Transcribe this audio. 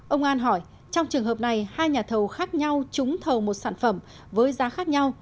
ông an hỏi trong trường hợp này hai nhà thầu khác nhau trúng thầu một sản phẩm với giá khác nhau